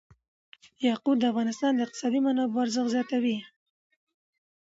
یاقوت د افغانستان د اقتصادي منابعو ارزښت زیاتوي.